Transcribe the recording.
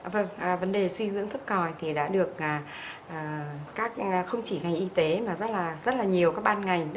vâng vấn đề suy dinh dưỡng thấp còi thì đã được các không chỉ ngành y tế mà rất là nhiều các ban ngành